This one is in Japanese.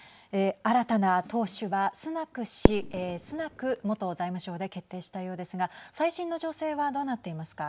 新たな党首は、スナク氏スナク元財務相で決定したようですが最新の情勢はどうなっていますか。